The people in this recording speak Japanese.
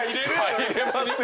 入れます。